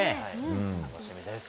楽しみです。